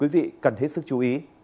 quý vị cần hết sức chú ý